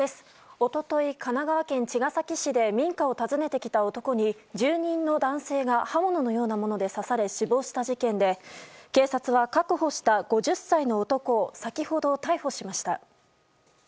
一昨日、神奈川県茅ヶ崎市で民家を訪ねてきた男に住人の男性が刃物のようなもので刺され死亡した事件で警察は確保した５０歳の男を先ほど逮捕しました。